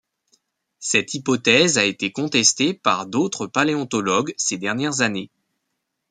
Cette hyphothèse a été contestée par d'autres paléontologues ces dernières années.